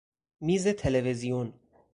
میز تلوزیون